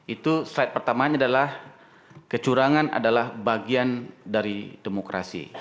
itu slide pertamanya adalah kecurangan adalah bagian dari demokrasi